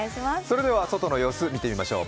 外の様子見てみましょう。